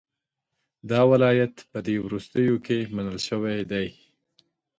دا ولایت په دې وروستیو کې منل شوی دی.